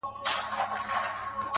پرېږده دا زخم زړه ـ پاچا وویني,